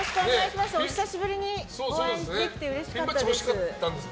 お久しぶりにお会いできてうれしかったです。